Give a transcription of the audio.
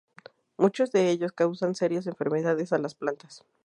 Muchos de ellos causan serias enfermedades a las plantas.